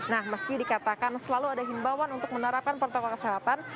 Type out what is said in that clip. nah meski dikatakan selalu ada himbawan untuk menerapkan protokol kesehatan